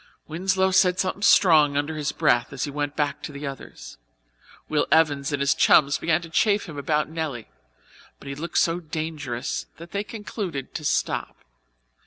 Winslow said something strong under his breath as he went back to the others. Will Evans and his chums began to chaff him about Nelly, but he looked so dangerous that they concluded to stop.